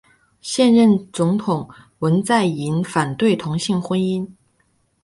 现任总统文在寅反对同性婚姻。